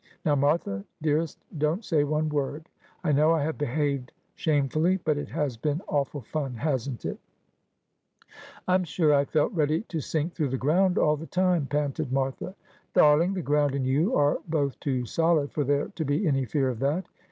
Now, Martha dearest, don't say one word ; I know I have behaved shamefully, but it has been awful fun, hasn't it ?'' I'm sure I felt ready to sink through the ground all the time,' panted Martha. ' Darling, the ground and you are both too solid for there to be any fear of that.'